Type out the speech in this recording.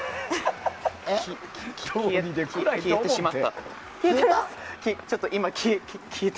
消えてしまった。